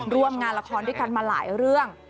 ร่วมงานละครด้วยกันมาหลายเรื่อง